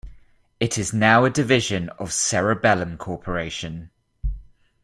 It is now a division of Cerebellum Corporation.